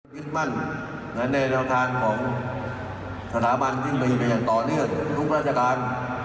ยึดมั่นในแนวทางของสถาบันยิ่งดีไปอย่างต่อเนื่องทุกราชการ